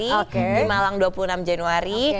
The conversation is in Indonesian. ini malang dua puluh enam januari